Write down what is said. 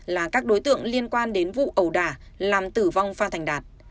là các đối tượng liên quan đến vụ ẩu đà làm tử vong phan thành đạt